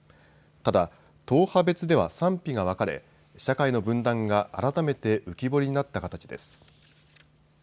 ただ、党派別では賛否が分かれ、社会の分断が改めて浮き彫りになった形です。